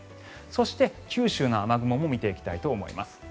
そして、九州の雨雲も見ていきたいと思います。